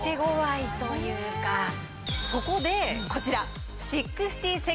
そこでこちら。